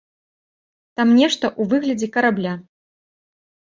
Там нешта ў выглядзе карабля.